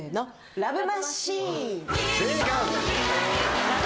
『ＬＯＶＥマシーン』正解。